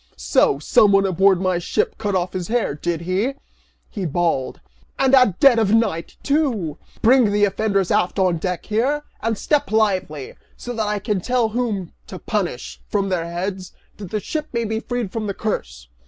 "So someone aboard my ship cut off his hair, did he?" he bawled, "and at dead of night, too! Bring the offenders aft on deck here, and step lively, so that I can tell whom to punish, from their heads, that the ship may be freed from the curse!"